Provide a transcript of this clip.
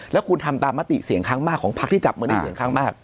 แล้วคุณทำตามมติเสียงข้างมากของพักที่จับมาในเสียงข้างมาก